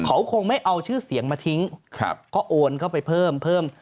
เขาคงไม่เอาชื่อเสียงมาทิ้งครับก็โอนเข้าไปเพิ่มเพิ่ม